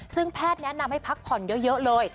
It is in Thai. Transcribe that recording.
ซึ่งแพทย์แนะนำให้พักผ่อนเยอะเลย